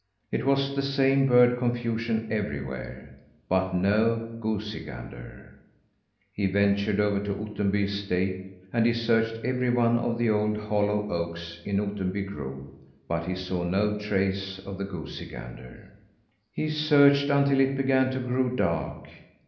It was the same bird confusion everywhere, but no goosey gander. He ventured over to Ottenby estate, and he searched every one of the old, hollow oaks in Ottenby grove, but he saw no trace of the goosey gander. He searched until it began to grow dark.